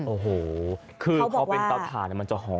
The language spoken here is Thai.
โอ้โหคือพอเป็นเตาถ่านมันจะหอม